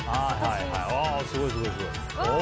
すごい、すごい。